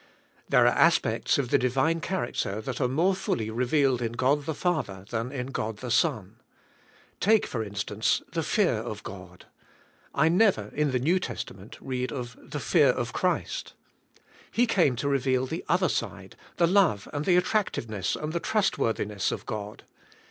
There are aspects of the divine charac ter that are more fully revealed in God the Father than in God the Son. Take, for instance, the fear of God. I never, in the New Testament, read of the fear of Christ. He came to reveal the other side, the love and the attractiveness and the trust worthiness of God.